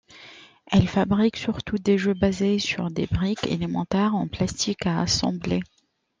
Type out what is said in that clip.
Elle fabrique surtout des jeux basés sur des briques élémentaires en plastique à assembler.